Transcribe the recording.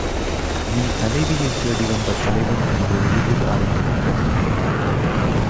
நீ தலைவி யைத் தேடி வந்த தலைவன் என்று எளிதில் அறிந்து கொள்வர்.